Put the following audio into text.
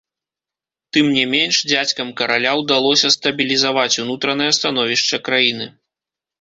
Тым не менш, дзядзькам караля ўдалося стабілізаваць унутранае становішча краіны.